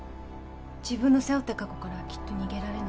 自分の背負った過去からはきっと逃げられない。